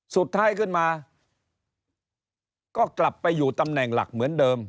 สุดท้ายขึ้นมาก็กลับไปอยู่ตำแหน่งหลักเหมือนเดิม